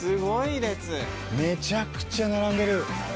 めちゃくちゃ並んでる。